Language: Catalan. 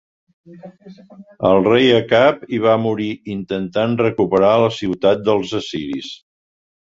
El rei Acab hi va morir intentant recuperar la ciutat als assiris.